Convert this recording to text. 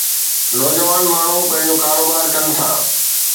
نوجوان ماڻهو پنهنجو ڪاروبار ڪن ٿا